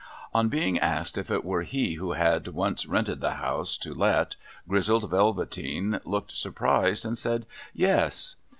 On being asked if it were he who had once rented the House to Let, Grizzled Velveteen looked surprised, and said yes.